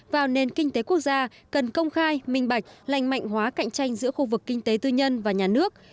vào nền kinh tế quốc gia cần công khai minh bạch lành mạnh hóa cạnh tranh giữa khu vực kinh tế tư nhân và nhà nước